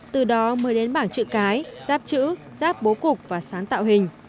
từ đó mới đến bảng chữ cái giáp chữ giáp bố cục và sáng tạo hình